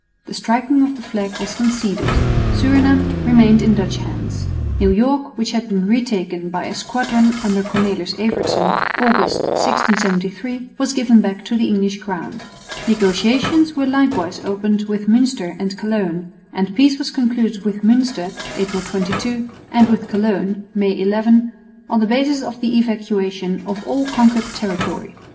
The striking of the flag was conceded. Surinam remained in Dutch hands. New York, which had been retaken by a squadron under Cornelis Evertsen, August, 1673, was given back to the English crown. Negotiations were likewise opened with Münster and Cologne; and peace was concluded with Münster (April 22) and with Cologne (May 11) on the basis of the evacuation of all conquered territory.